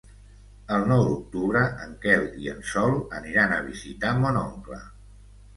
El nou d'octubre en Quel i en Sol aniran a visitar mon oncle.